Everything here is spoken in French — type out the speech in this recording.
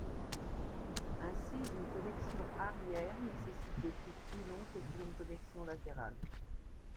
Ainsi une connexion arrière nécessite des tubes plus longs que pour une connexion latérale.